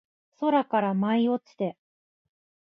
空から舞い落ちて